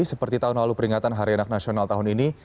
seperti tahun lalu peringatan hari anak nasional tahun ini